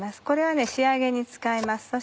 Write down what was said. これは仕上げに使います